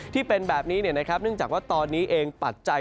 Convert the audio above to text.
ที่เป็นแบบนี้เนื่องจากว่าตอนนี้เองปัจจัย